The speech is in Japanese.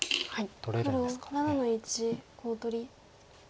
取れるんですから。